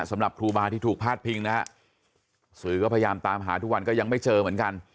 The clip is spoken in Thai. สำหรับครูบาที่ถูกพาดพิงนะฮะสื่อก็พยายามตามหาทุกวันก็ยังไม่เจอเหมือนกัน